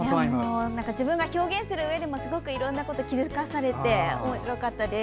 自分が表現するうえでもいろいろなことに気付かされておもしろかったです。